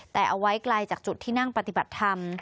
แต่เอาไว้ไกลจากจุดที่นั่งปฏิบัติธรรม